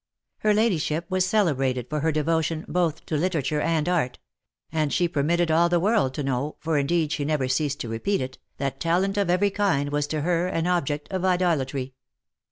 Her ladyship was celebrated for her devotion both to literature and art ; and she permitted all the world to know, for indeed she never ceased to repeat it, that talent of every kind was to her an object of idolatry.